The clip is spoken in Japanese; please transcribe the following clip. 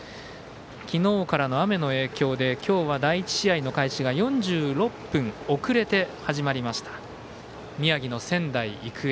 昨日からの雨の影響で今日は第１試合の開始が４６分遅れて始まりました。